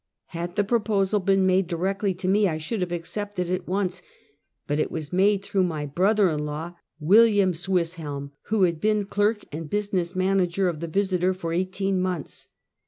Had the proposal been made directly to me, I should have accepted at once, but it was made through my brother in law, William Swisshelm, who had been clerk and business manager of the Visiter for eighteen months.